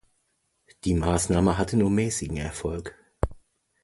Die Maßnahme hatte nur mäßigen Erfolg.